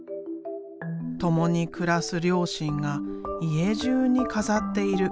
共に暮らす両親が家じゅうに飾っている。